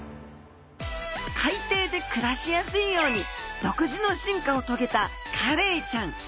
海底で暮らしやすいように独自の進化を遂げたカレイちゃん。